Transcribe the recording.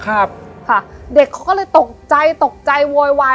ครับค่ะเด็กเขาก็เลยตกใจตกใจโวยวาย